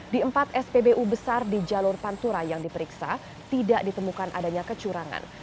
di empat spbu besar di jalur pantura yang diperiksa tidak ditemukan adanya kecurangan